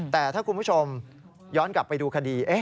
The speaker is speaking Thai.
แต่ถ้าคุณผู้ชมย้อนกลับไปดูคดี